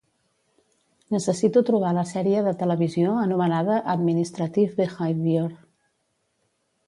Necessito trobar la sèrie de TV anomenada Administrative Behavior